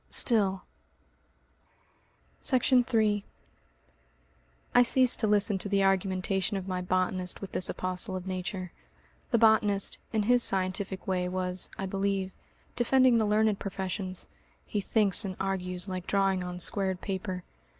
Still Section 3 I ceased to listen to the argumentation of my botanist with this apostle of Nature. The botanist, in his scientific way, was, I believe, defending the learned professions. (He thinks and argues like drawing on squared paper.)